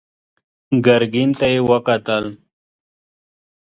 ګرګين ته يې وکتل.